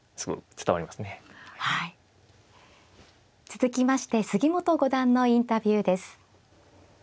続きまして杉本五段のインタビューです。